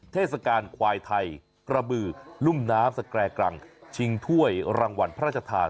เทศกาลควายไทยกระบือรุ่มน้ำสแกรกรังชิงถ้วยรางวัลพระราชทาน